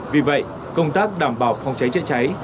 vì vậy công tác đảm bảo không cháy chạy cháy